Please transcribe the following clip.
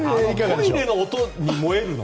トイレの音に萌えるの？